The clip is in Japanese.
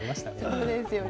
そうですよね。